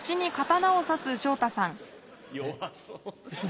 弱そう。